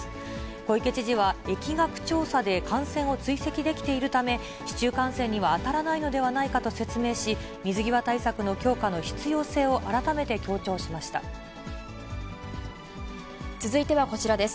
小池知事は疫学調査で感染を追跡できているため、市中感染には当たらないのではないかと説明し、水際対策の強化の続いてはこちらです。